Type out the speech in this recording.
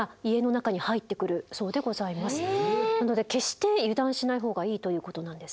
なので決して油断しないほうがいいということなんです。